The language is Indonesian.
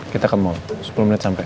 kita ke mall sepuluh menit sampai